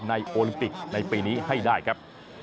โอลิมปิกในปีนี้ให้ได้ครับ